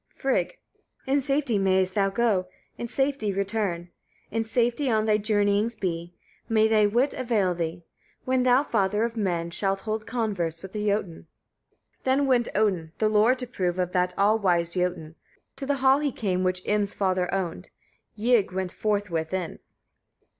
Frigg. 4. In safety mayest thou go, in safety return; in safety on thy journeyings be; may thy wit avail thee, when thou, father of men! shalt hold converse with the Jötun. 5. Then went Odin the lore to prove of that all wise Jötun. To the hall he came which Im's father owned. Ygg went forthwith in.